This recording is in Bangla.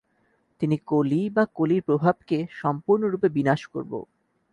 তিনি কলি বা কলির প্রভাবকে সম্পূর্ণরূপে বিনাশ করব।